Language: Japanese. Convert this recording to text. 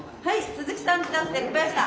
鈴木さんじゃなくて小林さん。